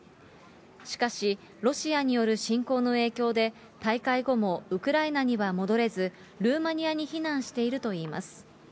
しかし、ロシアによる侵攻の影響で、大会後もウクライナには戻れず、ルーマニアに避難しているといいます。